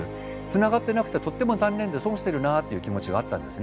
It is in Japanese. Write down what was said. つながってなくてとっても残念で損してるなっていう気持ちがあったんですね。